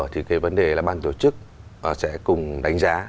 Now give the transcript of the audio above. thì cái vấn đề là ban tổ chức sẽ cùng đánh giá